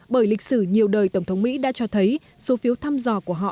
bởi lịch sử nhiều đời tổng thống mỹ đã cho thấy số phiếu thăm dò của họ